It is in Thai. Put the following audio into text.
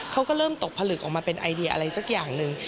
เขาก็เริ่มตกผลึกออกมาเป็นไอเดียอะไรสักอย่างหนึ่ง